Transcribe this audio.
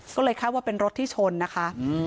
ก็เลยคาดว่าเป็นรถที่ชนนะคะ